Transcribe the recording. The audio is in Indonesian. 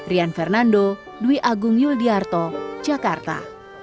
rian fernando dwi agung yul diyarto jakarta